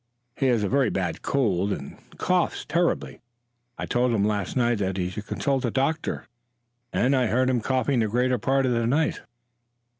"He has a very bad cold and coughs terribly. I told him last night that he should consult a doctor, and I heard him coughing the greater part of the night."